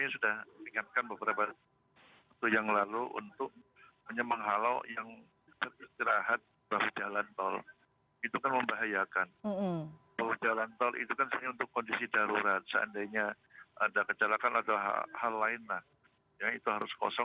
sebetulnya kita berangkatnya dari visi